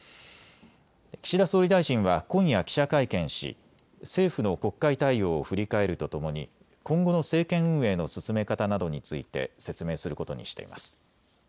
岸田総理大臣は今夜、記者会見し政府の国会対応を振り返るとともに今後の政権運営の進め方などについて説明することにしています。